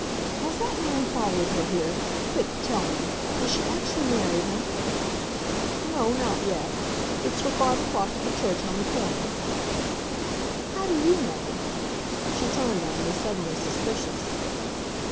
"Has that man followed her here? Quick, tell me. Has she actually married him?" "No not yet. It's for five o'clock at the church on the corner." "How do you know?" She turned on me, suddenly suspicious.